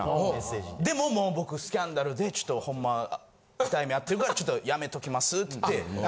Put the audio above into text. でももう僕スキャンダルでほんま痛い目あってるからちょっとやめときますって言って。